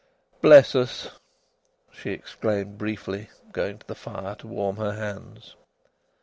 "Bless us!" she exclaimed briefly, going to the fire to warm her hands.